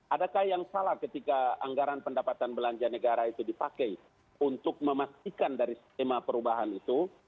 adakah yang salah ketika anggaran pendapatan belanja negara itu dipakai untuk memastikan dari skema perubahan itu